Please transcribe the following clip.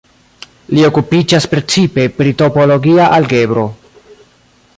Li okupiĝas precipe pri topologia algebro.